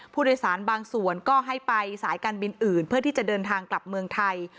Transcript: ผู้โดยสารบางส่วนก็ให้ไปสายการบินอื่นเพื่อที่จะเดินทางกลับเมืองไทย